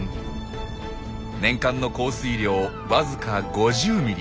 年間の降水量わずか５０ｍｍ。